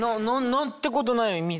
何てことない水。